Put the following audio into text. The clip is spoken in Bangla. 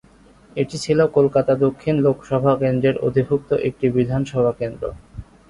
এটি ছিল কলকাতা দক্ষিণ লোকসভা কেন্দ্রের অধিভুক্ত একটি বিধানসভা কেন্দ্র।